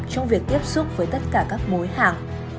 trong việc tiếp xúc với tất cả các mối hàng